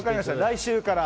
来週から。